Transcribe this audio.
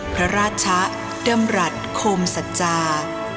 พระราชะดำรัฐโคมสัจจา